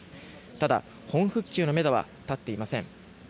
ただ、本復旧のめどは立っていません。